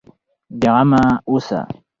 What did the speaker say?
بېغمه اوسه.